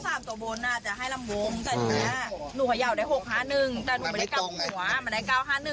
แต่นี้หนูขย่าวได้๖๕๑แต่หนูไม่ได้กลับหัวมาได้๙๕๑